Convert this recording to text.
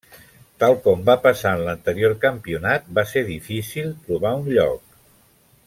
Tal com va passar en l'anterior campionat, va ser difícil trobar un lloc.